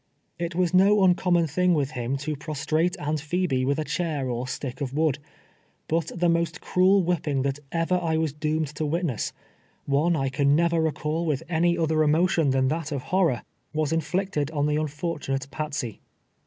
It was no uncommon thing with him to prostrate Aunt Phebe with a chair or stick of wood ; but the most cruel whipping that ever I was doomed to wit ness — one I can never recall with any other emotion 2a4r TWELVK YF.AR3 A SLAVE. tlian that of horror — was hiilictedon tlie unfortunate Patsey.